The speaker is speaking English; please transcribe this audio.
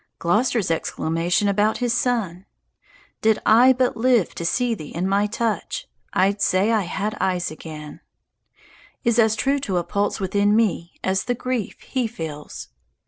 Gloster's exclamation about his son, "Did I but live to see thee in my touch, I'd say I had eyes again," is as true to a pulse within me as the grief he feels.